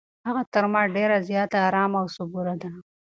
هغه تر ما ډېره زیاته ارامه او صبوره ده.